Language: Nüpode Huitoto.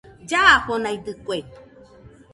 Llafonaidɨkue